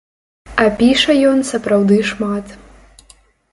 А піша ён сапраўды шмат.